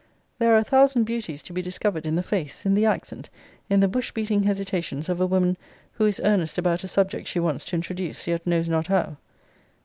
There are a thousand beauties to be discovered in the face, in the accent, in the bush beating hesitations of a woman who is earnest about a subject she wants to introduce, yet knows not how.